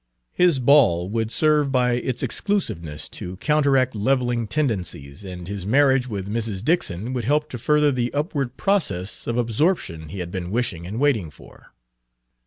His ball would serve by its exclusiveness to counteract leveling tendencies, and his Page 8 marriage with Mrs. Dixon would help to further the upward process of absorption he had been wishing and waiting for.